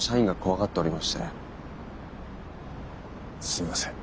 すいません。